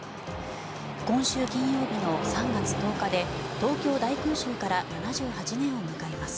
今週金曜日の３月１０日で東京大空襲から７８年を迎えます。